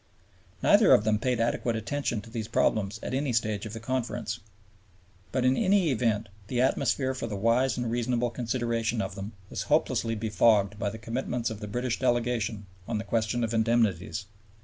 Neither of them paid adequate attention to these problems at any stage of the Conference. But in any event the atmosphere for the wise and reasonable consideration of them was hopelessly befogged by the commitments of the British delegation on the question of Indemnities.